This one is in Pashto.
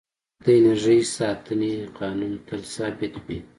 د انرژۍ ساتنې قانون تل ثابت وي.